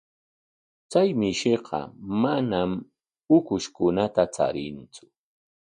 Chay mishiqa manam ukushkunata charintsu.